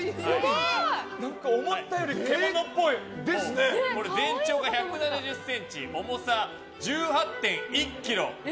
思ったより全長が１７０ｃｍ重さ１８．１ｋｇ